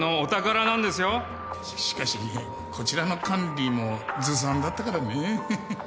しっしかしこちらの管理もずさんだったからねフフフッ。